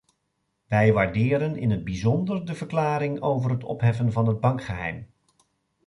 Wij waarderen in het bijzonder de verklaring over het opheffen van het bankgeheim.